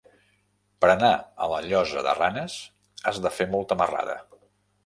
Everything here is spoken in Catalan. Per anar a la Llosa de Ranes has de fer molta marrada.